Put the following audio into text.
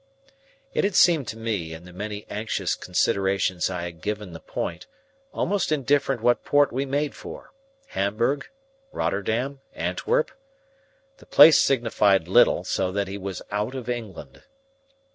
It had seemed to me, in the many anxious considerations I had given the point, almost indifferent what port we made for,—Hamburg, Rotterdam, Antwerp,—the place signified little, so that he was out of England.